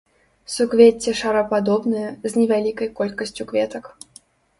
Суквецце шарападобнае, з невялікай колькасцю кветак.